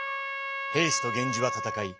平氏と源氏は戦い